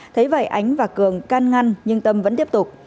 thấy vậy ánh và cường can ngăn nhưng tâm vẫn tiếp tục